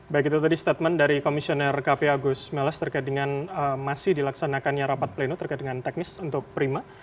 baik itu tadi statement dari komisioner kpa gus melas terkait dengan masih dilaksanakannya rapat pleno terkait dengan teknis untuk prima